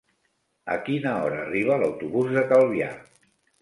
A quina hora arriba l'autobús de Calvià?